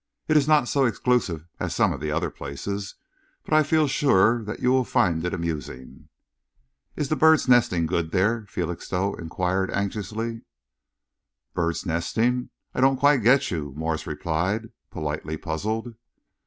It is not so exclusive as some of the other places, but I feel sure that you will find it amusing." "Is the bird's nesting good there?" Felixstowe enquired anxiously. "Bird's nesting? I don't quite get you," Morse replied, politely puzzled.